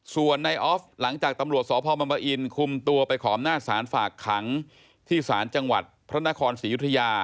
ส่วนในออฟหลังจากตำรวจสพบังปะอินคุมตัวไปขอบหน้าศาลฝากขังที่ศาลจังหวัดพระนครศรียุธยา